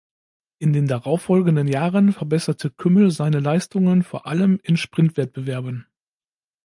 In den darauffolgenden Jahren verbesserte Kümmel seine Leistungen vor allem in Sprintwettbewerben.